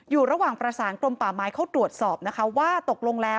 อยู่ระหว่างประสานกรมป่าไม้เข้าตรวจสอบนะคะว่าตกลงแล้ว